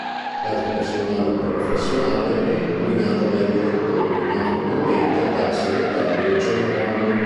L'altro personale professionale è nominato dai Direttori, ma formalmente dal Segretario Generale.